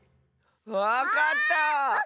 わかった！